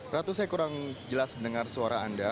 ratu saya kurang jelas mendengar suara anda